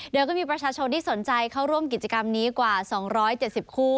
โดยก็มีประชาชนที่สนใจเข้าร่วมกิจกรรมนี้กว่า๒๗๐คู่